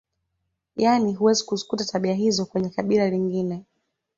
Yaani huwezi kuzikuta tabia hizo kwenye kabila lingine